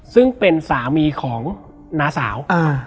ซึ่งเป็นสามีของน้าสาว